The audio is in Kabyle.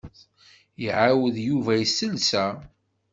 Iɛawed Yuba iselsa.